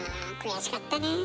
あ悔しかったねえ。